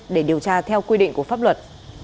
để điều tra theo quy định của pháp luật